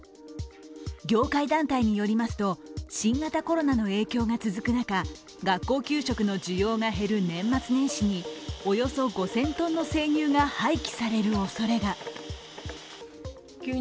業界団体によりますと、新型コロナの影響が続く中、学校給食の需要が減る年末年始におよそ５０００ｔの生乳が廃棄されるおそれが。